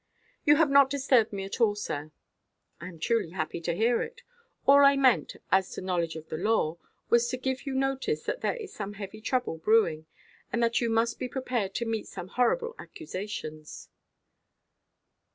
"You have not disturbed me at all, sir." "I am truly happy to hear it. All I meant, as to knowledge of law, was to give you notice that there is some heavy trouble brewing, and that you must be prepared to meet some horrible accusations."